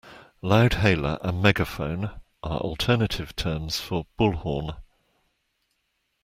Loudhailer and megaphone are alternative terms for bullhorn